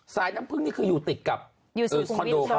สายน้ำผึ้งนี่คืออยู่ติดกับคอนโดของเขา